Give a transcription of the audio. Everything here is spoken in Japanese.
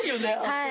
はい。